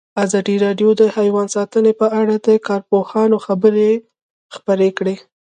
ازادي راډیو د حیوان ساتنه په اړه د کارپوهانو خبرې خپرې کړي.